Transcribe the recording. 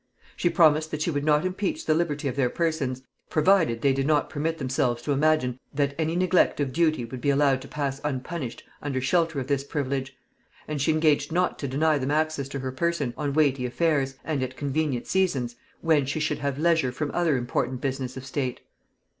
She promised that she would not impeach the liberty of their persons, provided they did not permit themselves to imagine that any neglect of duty would be allowed to pass unpunished under shelter of this privilege; and she engaged not to deny them access to her person on weighty affairs, and at convenient seasons, when she should have leisure from other important business of state.